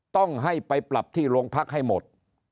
ต้องให้ไปปรับที่โรงพักให้หมด